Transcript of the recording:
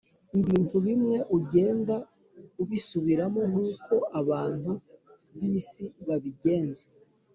ibintu bimwe ugenda ubisubiramo nkuko abantu bisi babigenza